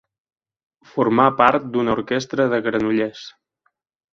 Formà part d'una orquestra de Granollers.